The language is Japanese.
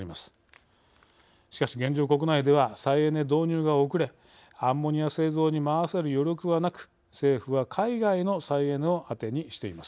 しかし現状国内では再エネ導入が遅れアンモニア製造に回せる余力はなく政府は海外の再エネを当てにしています。